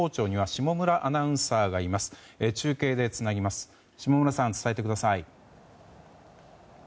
下村さん、伝えてください。